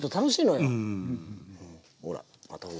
ほら。